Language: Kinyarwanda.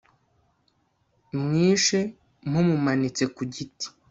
mwishe mumumanitse ku giti